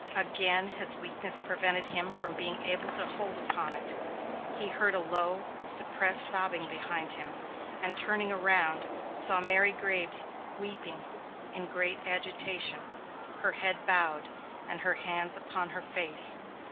Again his weakness prevented him from being able to hold upon it. He heard a low, suppressed sobbing behind him, and, turning around, saw Mary Graves weeping and in great agitation, her head bowed, and her hands upon her face.